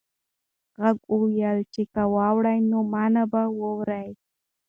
غږ وویل چې که واوړې نو ما به واورې.